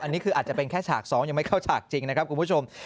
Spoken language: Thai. อันนี้คืออาจจะเป็นแค่ฉาก๒ยังไม่เข้าฉากจริงนะครับคุณผู้ชม